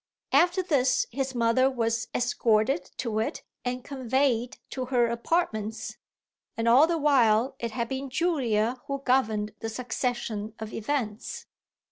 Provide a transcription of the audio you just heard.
After this his mother was escorted to it and conveyed to her apartments, and all the while it had been Julia who governed the succession of events.